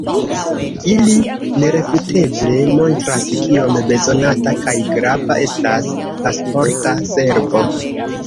Ili nerefuteble montras kiom bezonata kaj grava estas Pasporta Servo.